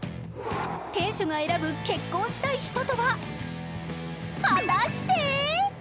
店主が選ぶ結婚したい人とは果たして？！